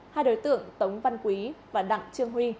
hai đối tượng tống văn quý và đặng trương huy